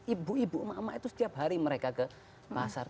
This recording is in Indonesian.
ibu ibu itu setiap hari mereka ke pasar